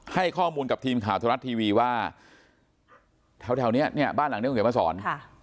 ให้ข้อมูลกับทีมข่าวธรรมรัฐทีวีว่าแถวนี้เนี่ยบ้านหลังนี้คุณเขียนมาสอน